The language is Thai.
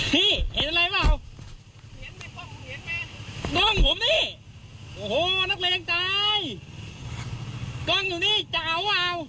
เฮ้ยเล็กเล็งว่ะ